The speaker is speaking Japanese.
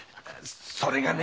それがね。